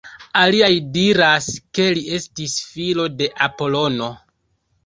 Aliaj diras ke li estis filo de Apolono.